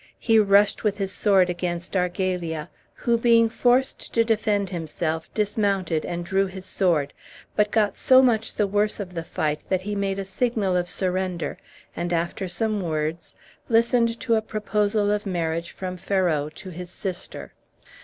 he rushed with his sword against Argalia, who, being forced to defend himself, dismounted and drew his sword, but got so much the worse of the fight that he made a signal of surrender, and, after some words, listened to a proposal of marriage from Ferrau to his sister.